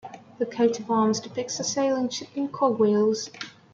The coat of arms depicts a sailing ship and cogwheels.